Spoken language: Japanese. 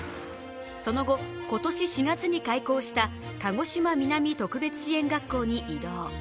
その後、今年４月に開校した鹿児島南特別支援学校に移動。